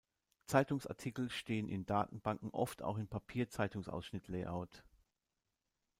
Zeitungsartikel stehen in Datenbanken oft auch im Papier-Zeitungsausschnitt-Layout.